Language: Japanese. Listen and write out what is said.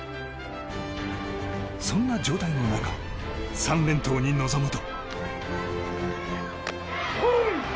そんな状態の中３連投に臨むと。